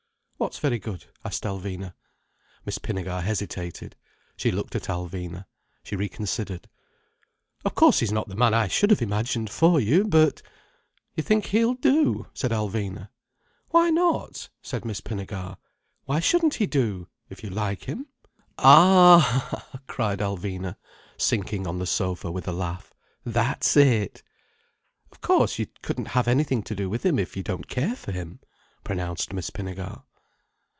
"What's very good?" asked Alvina. Miss Pinnegar hesitated. She looked at Alvina. She reconsidered. "Of course he's not the man I should have imagined for you, but—" "You think he'll do?" said Alvina. "Why not?" said Miss Pinnegar. "Why shouldn't he do—if you like him." "Ah—!" cried Alvina, sinking on the sofa with a laugh. "That's it." "Of course you couldn't have anything to do with him if you don't care for him," pronounced Miss Pinnegar.